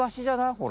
ほら。